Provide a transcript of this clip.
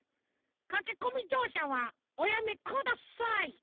かけこみじょうしゃはおやめください」。